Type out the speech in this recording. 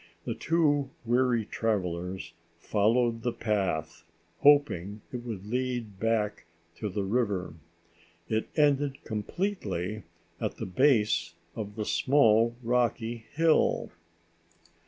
The two weary travelers followed the path, hoping it would lead back to the river. It ended completely at the base of the small rocky hill.